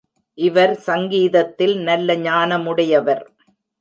இவர் சங்கீதத்தில் நல்ல ஞானமுடையவர்.